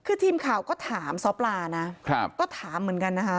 คือทีมข่าวก็ถามซ้อปลานะก็ถามเหมือนกันนะคะ